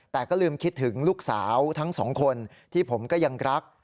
แต่ก็ลืมคิดถึงลูกสาวทั้งสองคนที่ผมก็ยังรัก